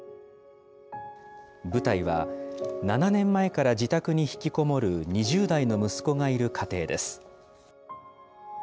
舞台は、７年前から自宅にひきこもる２０代の息子がいる家庭です。